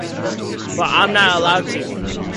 But I'm not allowed to.